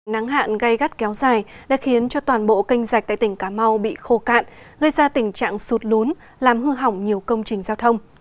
nắng hạn gây gắt kéo dài đã khiến cho toàn bộ kênh dạch tại tỉnh cà mau bị khô cạn gây ra tình trạng sụt lún làm hư hỏng nhiều công trình giao thông